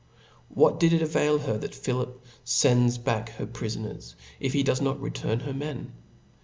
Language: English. What does k avail her, that Philip fends back her pri foncrs, if he docs not return her men